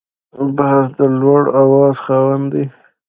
باز د لوړ اواز خاوند دی